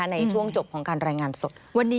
ในช่วงจบของการรายงานสด